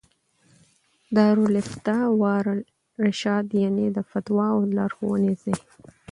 دار الافتاء والارشاد، يعني: د فتوا او لارښووني ځای